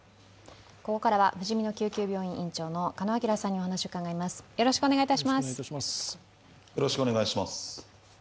ここからはふじみの救急病院院長の鹿野晃さんに話を伺います。